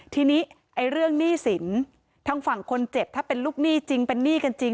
ทีนี้ไอ้เรื่องหนี้สินทางฝั่งคนเจ็บถ้าเป็นลูกหนี้จริงเป็นหนี้กันจริง